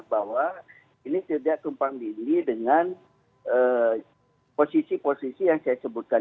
bahwa ini tidak tumpang dinding dengan posisi posisi yang saya sebutkan